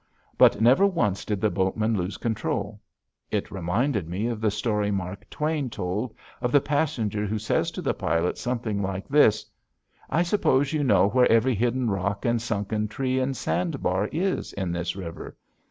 But never once did the boatman lose control. It reminded me of the story Mark Twain told of the passenger who says to the pilot something like this: "I suppose you know where every hidden rock and sunken tree and sandbar is in this river?"